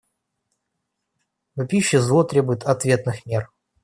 Вопиющее зло требует ответных мер.